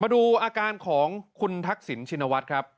ดูอาการของคุณทักษิณชินวัฒน์ครับ